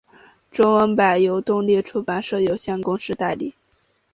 中文版由东立出版社有限公司代理。